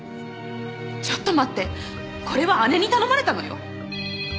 ちょっと待ってこれは姉に頼まれたのよ？